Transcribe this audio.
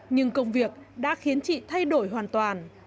nhưng công việc đã khiến chị thay đổi hoàn toàn